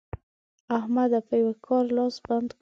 احمده! په یوه کار لاس بنده کړه.